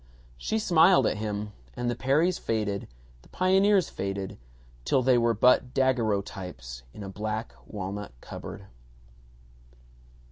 She smiled at him, and the Perrys faded, the pioneers faded, till they were but daguerreotypes in a black walnut cupboard.